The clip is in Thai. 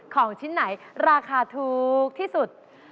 ของชิ้นไหนราคาถูกที่สุด